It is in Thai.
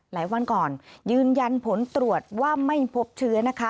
หลายวันก่อนยืนยันผลตรวจว่าไม่พบเชื้อนะคะ